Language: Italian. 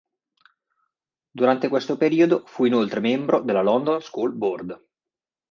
Durante questo periodo fu inoltre membro della London School Board.